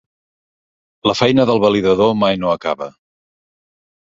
La feina del validador mai no acaba.